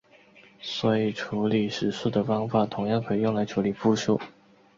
所以处理实数的方法同样可以用来处理复数。